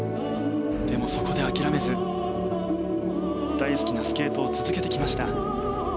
でも、そこで諦めず大好きなスケートを続けてきました。